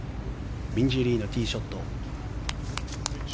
ミンジー・リーのティーショット。